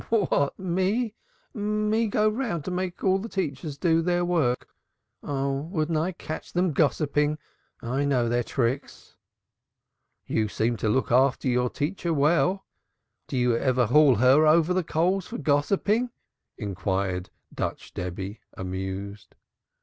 "What! Me! Me go round and make all the teachers do their work. Oh, wouldn't I catch them gossiping! I know their tricks!" "You seem to look after your teacher well. Do you ever call her over the coals for gossiping?" inquired Dutch Debby, amused.